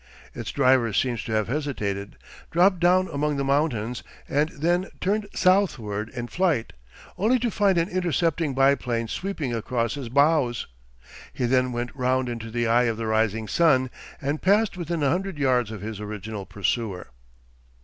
Its driver seems to have hesitated, dropped down among the mountains, and then turned southward in flight, only to find an intercepting biplane sweeping across his bows. He then went round into the eye of the rising sun, and passed within a hundred yards of his original pursuer.